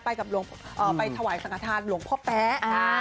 ไปถวายสังฆฐานหลวงพ่อแป๊ะ